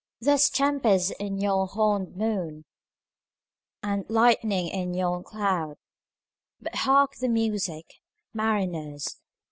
There's tempest in yon hornèd moon, And lightning in yon cloud:But hark the music, mariners!